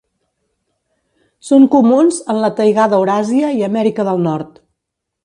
Són comuns en la taigà d'Euràsia i Amèrica del Nord.